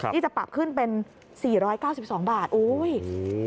ที่จะปรับขึ้นเป็น๔๙๒บาทอุ้ย